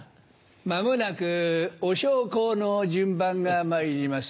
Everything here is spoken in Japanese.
まもなくお焼香の順番が参ります。